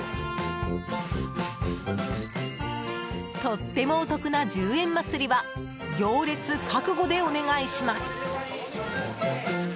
とってもお得な１０円祭りは行列覚悟でお願いします！